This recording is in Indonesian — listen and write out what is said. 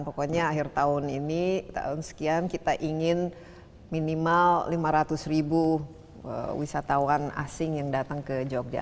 pokoknya akhir tahun ini tahun sekian kita ingin minimal lima ratus ribu wisatawan asing yang datang ke jogja